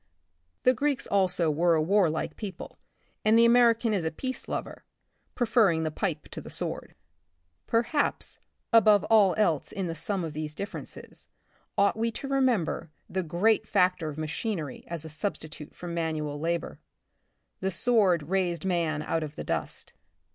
The Greeks also were a warlike people, and the American is a peace lover, preferring the pipe to the sword. Perhaps above all else in the sum of these differences ought we to remember, the great factor of machinery as a substitute for manual labor. The sword raised man out of the dust.